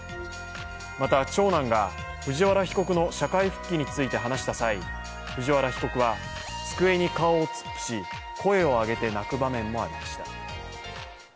また、長男が藤原被告の社会復帰について話した際藤原被告は、机に顔を突っ伏し声を上げて泣く場面もありました。